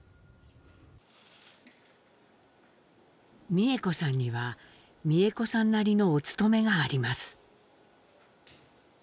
美江子さんには美江子さんなりの「おつとめ」があります。